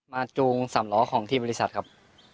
จูงสามล้อของที่บริษัทครับ